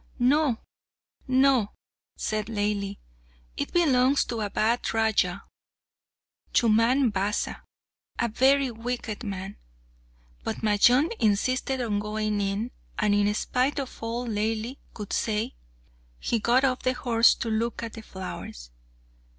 "No, no," said Laili; "it belongs to a bad Raja, Chumman Basa, a very wicked man." But Majnun insisted on going in, and in spite of all Laili could say, he got off the horse to look at the flowers.